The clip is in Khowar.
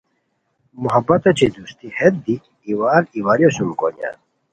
محبت اوچے دوستی ہیت دی ایوال ایوالیو سوم کونیان